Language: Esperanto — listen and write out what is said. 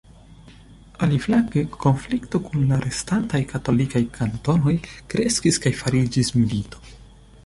Aliflanke, konflikto kun la restantaj katolikaj kantonoj kreskis kaj fariĝis milito.